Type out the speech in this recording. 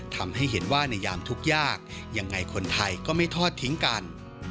ทำให้เห็นว่าในยามทุกข์ยากยังไงคนไทยก็ไม่ทอดทิ้งกัน